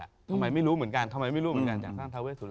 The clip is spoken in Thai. ทำไมไม่รู้เหมือนกันทำไมไม่รู้เหมือนกันจากสร้างทาเวสุร